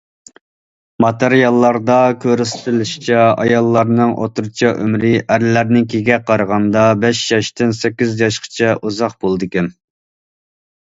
ماتېرىياللاردا كۆرسىتىلىشىچە: ئاياللارنىڭ ئوتتۇرىچە ئۆمرى ئەرلەرنىڭكىگە قارىغاندا بەش ياشتىن سەككىز ياشقىچە ئۇزاق بولىدىكەن.